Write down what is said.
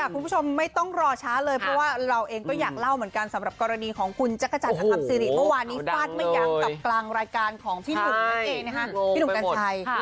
คุณผู้ชมไม่ต้องรอช้าเลยเพราะว่าเราเองก็อยากเล่าเหมือนกันสำหรับกรณีของคุณจักรจันทร์อธรรมสิริเมื่อวานนี้ฟาดไม่ยั้งกับกลางรายการของพี่หนุ่มนั่นเองนะคะพี่หนุ่มกัญชัย